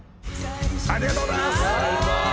「ありがとうございます！」